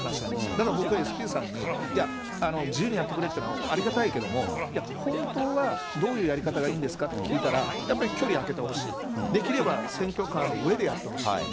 だから僕はＳＰさんに、いや、自由にやってくれっていうのはありがたいけども、いや本当は、どういうやり方がいいんですかって聞いたら、やっぱり距離開けてほしい、できれば選挙カーの上でやってほしいと。